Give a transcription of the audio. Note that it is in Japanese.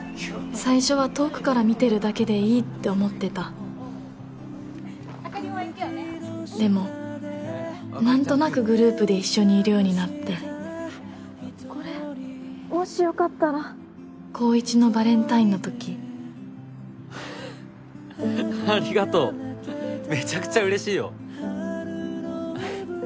最初は遠くから見てるだけでいいって思ってたでも何となくグループで一緒にいるようになってこれもしよかったら高１のバレンタインのときありがとうめちゃくちゃ嬉しいよ